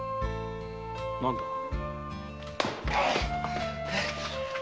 何だ？